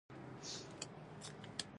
حاملې مېرمنې باید درمل له احتیاط سره وکاروي.